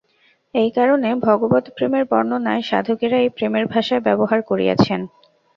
এই কারণে ভগবৎপ্রেমের বর্ণনায় সাধকেরা এই প্রেমের ভাষায় ব্যবহার করিয়াছেন।